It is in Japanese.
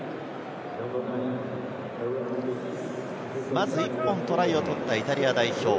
まず１本トライを取った、イタリア代表。